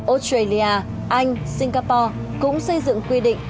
australia anh singapore cũng xây dựng quy định